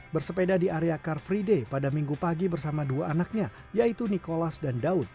bersepeda di area car free day pada minggu pagi bersama dua anaknya yaitu nikolas dan daud